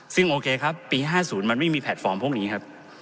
ซึ่งโอเคครับปี๕๐มันไม่มีแพลตฟอร์มพวกนี้ครับ